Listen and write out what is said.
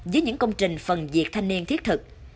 với những công trình phần việc thanh niên thiết thực